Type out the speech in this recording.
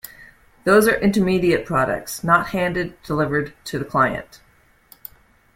Those are intermediate products, not handed delivered to the client.